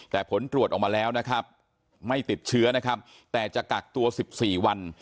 แต่ผลตรวจออกมาแล้วนะครับไม่ติดเชื้อนะครับแต่จะกักตัว๑๔วัน